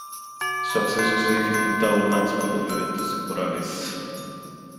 Su acceso se dificulta aún más por los violentos temporales.